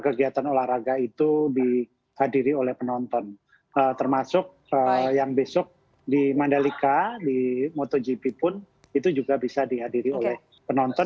kegiatan olahraga itu dihadiri oleh penonton termasuk yang besok di mandalika di motogp pun itu juga bisa dihadiri oleh penonton